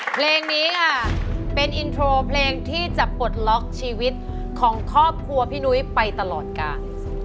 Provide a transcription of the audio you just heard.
เพลงนี้ค่ะเป็นอินโทรเพลงที่จะปลดล็อกชีวิตของครอบครัวพี่นุ้ยไปตลอดกาล